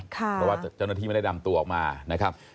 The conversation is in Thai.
เพราะว่าเจ้าหน้าที่ไม่ได้นำตัวออกมานะครับ